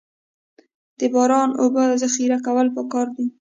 د باران اوبو ذخیره کول پکار دي